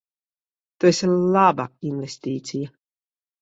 Tu esi laba investīcija.